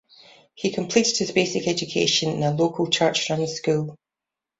He completed his basic education in a local church-run school.